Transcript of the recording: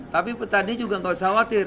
tapi petani juga nggak usah khawatir